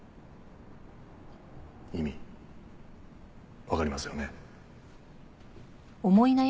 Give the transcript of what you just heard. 意味わかりますよね？